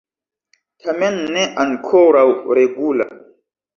Tamen ne ankoraŭ regula.